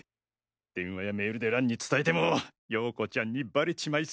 電話やメールで蘭に伝えてもヨーコちゃんにバレちまい